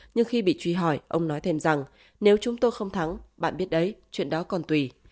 nhưng khi bị truy hỏi ông nói thêm rằng nếu chúng tôi không thắng bạn biết đấy chuyện đó còn tùy